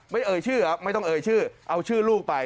เอ่ยชื่อครับไม่ต้องเอ่ยชื่อเอาชื่อลูกไป